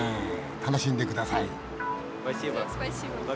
楽しんでください。